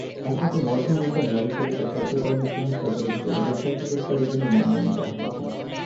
একমাত্র মধ্য আমেরিকান নারী হিসেবে তার সাহিত্যকর্মের জন্য সরকারীভাবে নোবেল সাহিত্য পুরস্কারের জন্য মনোনয়ন দেয়া হয়েছিল।